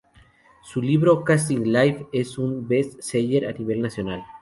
Su libro "Chasing Life" es un best seller a nivel nacional.